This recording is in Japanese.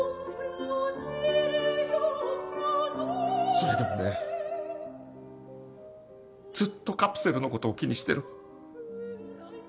それでもねずっとカプセルのことを気にしてる。